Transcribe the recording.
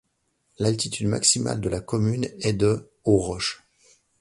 L'altitude maximale de la commune est de aux Roches.